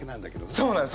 そうなんですよ！